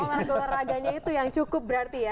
olahraganya itu yang cukup berarti ya